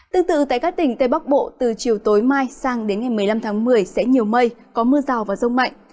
tương tự tại các tỉnh tây bắc bộ từ chiều tối mai sang đến ngày một mươi năm tháng một mươi sẽ nhiều mây có mưa rào và rông mạnh